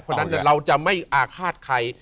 เพราะฉะนั้นเราจะไม่อาฆาตใคร